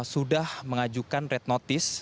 sudah mengajukan red notice